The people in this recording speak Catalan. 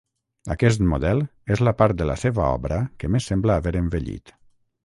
Aquest model és la part de la seva obra que més sembla haver envellit.